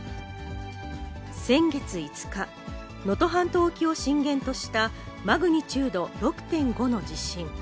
先月５日、能登半島沖を震源としたマグニチュード６．５の地震。